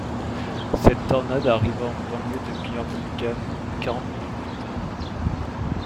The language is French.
Cette tornade arriva en banlieue de Birmingham quarante minutes plus tard.